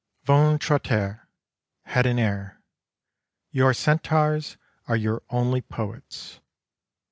Ventre a terre, head in air — your centaurs are your only poets.